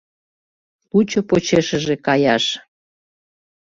Лучо почешыже каяш.